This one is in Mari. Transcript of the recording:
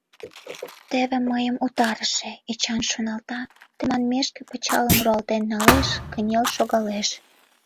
«Теве мыйым утарыше», — Эчан шоналта, тыманмешке пычалым руалтен налеш, кынел шогалеш.